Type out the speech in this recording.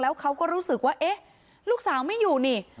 เขาก็รู้สึกว่าเอ๊ะลูกสาวไม่อยู่นี่